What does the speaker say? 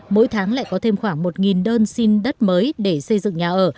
mỗi tháng lại có thêm khoảng một đơn xin đất mới để xây dựng nhà ở